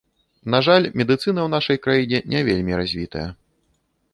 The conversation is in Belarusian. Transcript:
На жаль, медыцына ў нашай краіне не вельмі развітая.